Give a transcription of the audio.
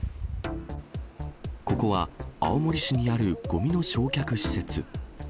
ここは、青森市にあるごみの焼却施設。